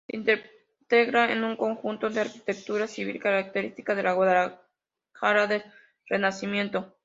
Se integra en un conjunto de arquitectura civil característica de la Guadalajara del Renacimiento.